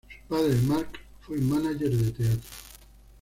Su padre, Mark, fue mánager de teatro.